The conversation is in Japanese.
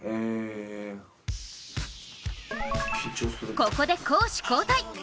ここで攻守交代。